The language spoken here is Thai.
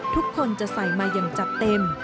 ทุกคนจะใส่มาอย่างจัดเต็ม